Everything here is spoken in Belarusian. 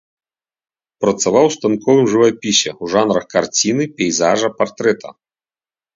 Працаваў ў станковым жывапісе ў жанрах карціны, пейзажа, партрэта.